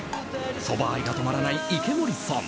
そば愛が止まらない池森さん。